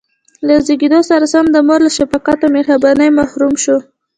له زېږېدو سره سم د مور له شفقت او مهربانۍ محروم شو.